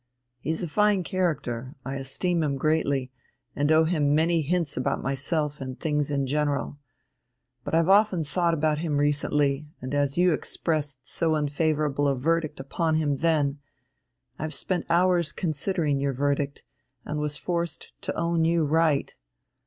He's a fine character; I esteem him greatly, and owe him many hints about myself and things in general. But I've often thought about him recently, and as you expressed so unfavourable a verdict upon him then, I have spent hours considering your verdict, and was forced to own you right.